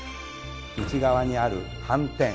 内側にある斑点